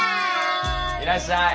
いらっしゃい！